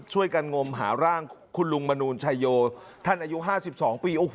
ช่วยกันงมหาร่างคุณลุงมนตร์ชัยโยท่านอายุ๕๒ปี